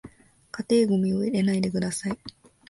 家庭ゴミを入れないでください